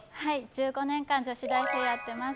１５年間女子大生やってます。